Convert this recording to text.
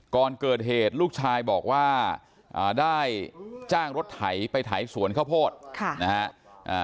ก่อนเกิดเหตุลูกชายบอกว่าอ่าได้จ้างรถไถไปไถสวนข้าวโพดค่ะนะฮะ